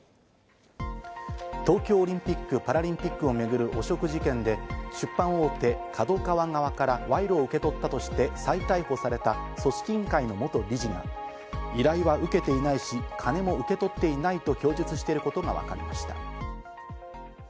東京オリンピック・パラリンピックを巡る汚職事件で、出版大手・ＫＡＤＯＫＡＷＡ側から賄賂を受け取ったとして再逮捕された組織委員会の元事理が依頼は受けていないし、金も受け取っていないと供述していることがわかりました。